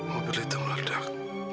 mobil itu meledak